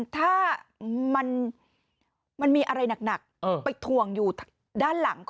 ถ้ามันมีอะไรหนักไปถ่วงอยู่ด้านหลัง